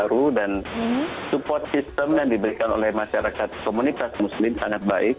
dan mereka juga mendapatkan kekuasaan yang baru dan support system yang diberikan oleh masyarakat komunitas muslim sangat baik